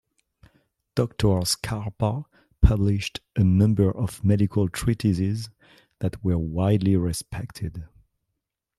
Doctor Scarpa published a number of medical treatises that were widely respected.